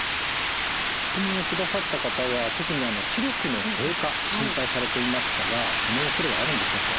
質問をくださった方は特に視力の低下心配されていましたがそのおそれはあるんでしょうか？